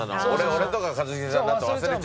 俺とか一茂さんだと忘れちゃうじゃん。